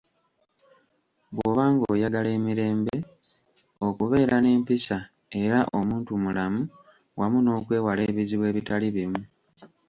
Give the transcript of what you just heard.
Bwoba ng'oyagala emirembe, okubeera nempisa, era omuntu mulamu wamu n'okwewala ebizibu ebitali bimu